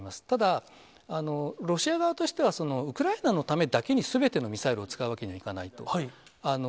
ただ、ロシア側としては、ウクライナのためだけにすべてのミサイルを使うわけにはいかないと。